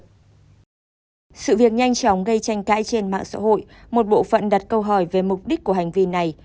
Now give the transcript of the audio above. sự việc nhanh chóng gây tranh cãi trên mạng xã hội một bộ phận đặt câu hỏi về mục đích của hành vi này